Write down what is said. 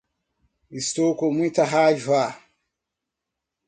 Estou com muita raiva